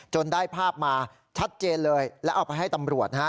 ได้ภาพมาชัดเจนเลยแล้วเอาไปให้ตำรวจนะฮะ